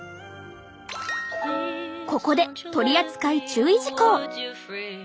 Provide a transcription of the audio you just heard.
ここで取扱注意事項。